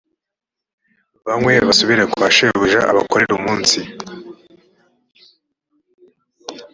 banywe basubire kwa shebuja abakorera umunsi